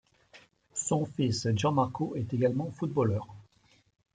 Son fils, Gianmarco, est également footballeur.